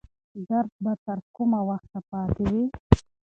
درد به تر کومه وخته پاتې وي؟